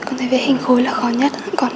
con thấy vẽ hình khối là khó nhất